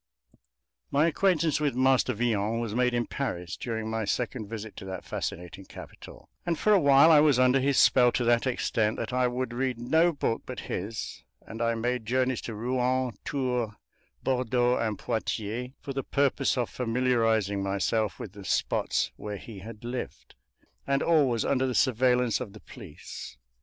My acquaintance with Master Villon was made in Paris during my second visit to that fascinating capital, and for a while I was under his spell to that extent that I would read no book but his, and I made journeys to Rouen, Tours, Bordeaux, and Poitiers for the purpose of familiarizing myself with the spots where he had lived, and always under the surveillance of the police.